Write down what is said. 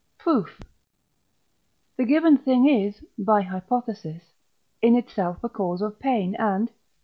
Proof. The given thing is (by hypothesis) in itself a cause of pain, and (III.